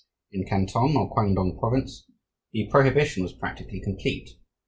In Canton, or Kwangtung Province, the prohibition was practically complete.